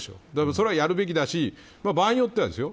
それはやるべきだし場合によってはですよ